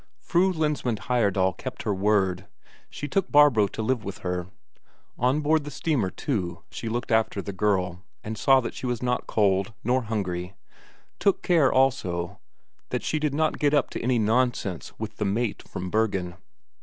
Fru Lensmand Heyerdahl kept her word; she took Barbro to live with her. On board the steamer, too, she looked after the girl, and saw that she was not cold, nor hungry; took care, also, that she did not get up to any nonsense with the mate from Bergen.